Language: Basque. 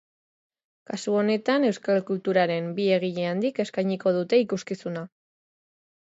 Kasu honetan euskal kulturaren bi egile handik eskainiko dute ikuskizuna.